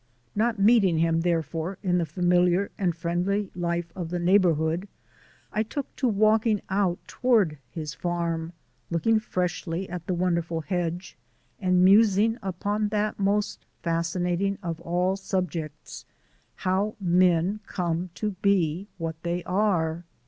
Not meeting him, therefore, in the familiar and friendly life of the neighbourhood, I took to walking out toward his farm, looking freshly at the wonderful hedge and musing upon that most fascinating of all subjects how men come to be what they are.